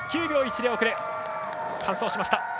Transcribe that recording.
９秒１０の遅れで完走しました。